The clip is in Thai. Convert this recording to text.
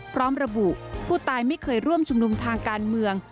พร้อมระบุผู้ตายไม่เคยร่วมชุมนุมทางการเมือง